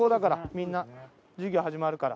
みんな授業始まるから。